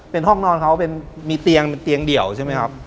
เป็นห้องนอนเขาเป็นมีเตียงเป็นเตียงเดี่ยวใช่ไหมครับ